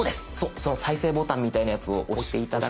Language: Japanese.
その再生ボタンみたいなやつを押して頂くと。